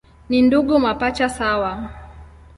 Ni ndugu mapacha sawa.